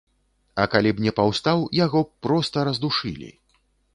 А калі б не паўстаў, яго б проста раздушылі.